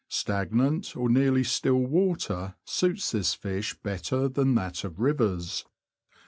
Stagnant, or nearly still water, suits this fish better than that of rivers.